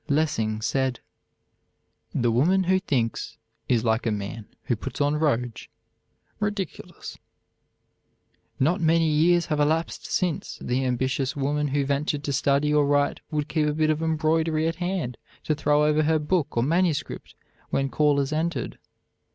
Lessing said: "The woman who thinks is like a man who puts on rouge, ridiculous." Not many years have elapsed since the ambitious woman who ventured to study or write would keep a bit of embroidery at hand to throw over her book or manuscript when callers entered.